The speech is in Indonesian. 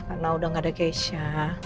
karena udah gak ada keisha